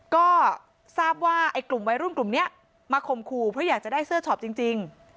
ก็ทราบว่าไอ้กลุ่มวัยรุ่นกลุ่มนี้มาข่มขู่เพราะอยากจะได้เสื้อช็อปจริง